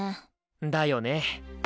だよね。